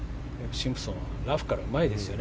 シンプソンはラフからがうまいですよね。